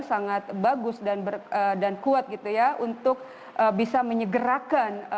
sangat bagus dan kuat untuk bisa menyegerakan